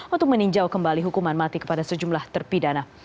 untuk meninjau kembali hukuman mati kepada sejumlah terpidana